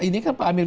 ini kan pak amir